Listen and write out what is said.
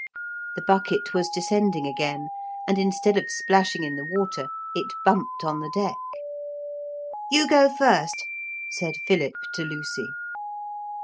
The bucket was descending again, and instead of splashing in the water it bumped on the deck. 'You go first,' said Philip to Lucy.